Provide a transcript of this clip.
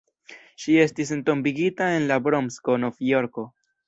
Ŝi estis entombigita en la Bronkso, Nov-Jorko.